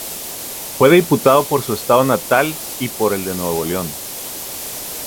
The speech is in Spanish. Fue diputado por su estado natal y por el de Nuevo León.